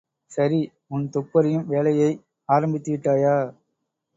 சரி, உன் துப்பறியும் வேலையை ஆரம்பித்துவிட்டாயா?